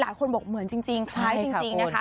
หลายคนบอกเหมือนจริงคล้ายจริงนะคะ